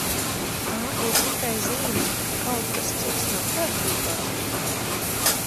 Tā ir tikai zīme, ka kaut kas cits nav kārtībā.